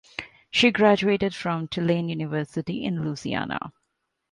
She graduated from Tulane University in Louisiana.